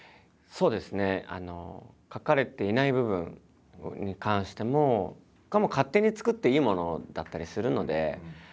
そうですね。書かれていない部分に関してもこれはもう勝手に作っていいものだったりするので。